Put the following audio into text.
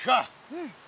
うん。